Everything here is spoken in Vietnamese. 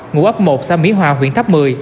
ngũ ấp một xa mỹ hòa huyện tháp một mươi